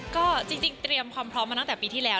ก็จริงเตรียมความพร้อมมาตั้งแต่ปีที่แล้ว